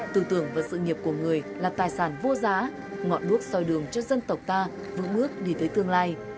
tư tưởng và sự nghiệp của người là tài sản vô giá ngọn đuối soi đường cho dân tộc ta vững bước đi tới tương lai